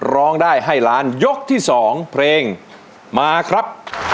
ร้องได้ให้ล้านยกที่๒เพลงมาครับ